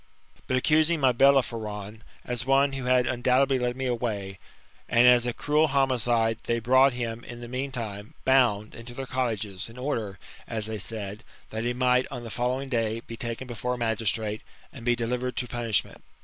But, accusing my Bellerophon, as one who had undoubtedly led me away, and as a cruel homicide, they brought him, in the meantime, bound, into their cottages, in order, as they said, that he might, on the following day, be taken before a magistrate, and be delivered to punishment.